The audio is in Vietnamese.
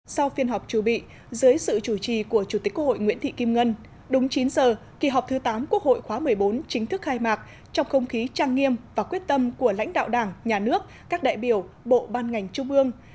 sau phiên họp chủ bị dưới sự chủ trì của chủ tịch quốc hội nguyễn thị kim ngân đúng chín giờ kỳ họp thứ tám quốc hội khóa một mươi bốn chính thức khai mạc trong không khí trang nghiêm và quyết tâm của lãnh đạo đảng nhà nước các đại biểu bộ ban ngành trung ương